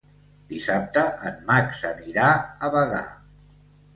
Dissabte en Max anirà a Bagà.